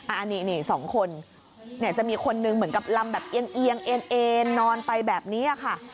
อันนี้สองคนเนี่ยจะมีคนนึงเหมือนกับลำแบบเอียงเอ็นนอนไปแบบนี้ค่ะ